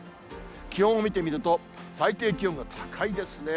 気温を見てみると、最低気温が高いですね。